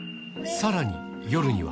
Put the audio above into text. さらに、夜には。